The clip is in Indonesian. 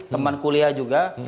teman kuliah juga